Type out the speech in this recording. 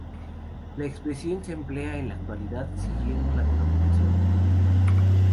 La expresión se emplea en la actualidad siguiendo la denominación primitiva.